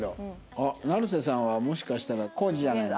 あっ成瀬さんはもしかしたらコージじゃないの？